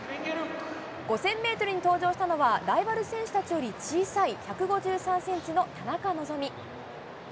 ５０００ｍに登場したのはライバル選手たちより小さい１５３ｃｍの田中希実。